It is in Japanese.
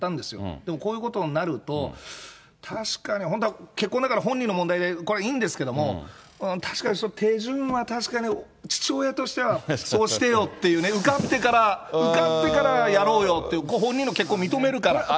でもこういうことになると、確かに本当は、結婚だから、本人の問題で、これはいいんですけども、確かに、手順は確かに父親としては、そうしてよっていうね、受かってから、受かってからやろうよって、本人の結婚を認めるからって。